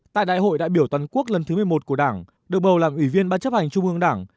tại đại hội đại biểu toàn quốc lần thứ một mươi một của đảng được bầu làm ủy viên ban chấp hành trung ương đảng